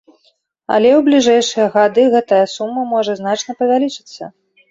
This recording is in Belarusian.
Але ў бліжэйшыя гады гэтая сума можа значна павялічыцца.